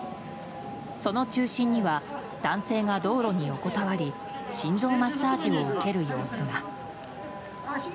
その中心には男性が道路に横たわり心臓マッサージを受ける様子が。